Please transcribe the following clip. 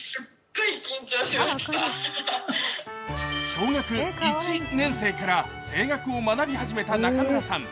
小学１年生から声楽を学び始めた中村さん。